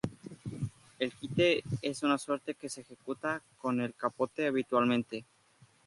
El quite es una suerte que se ejecuta con el capote habitualmente.